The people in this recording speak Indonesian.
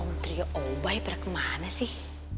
om trio obay pada kemana sih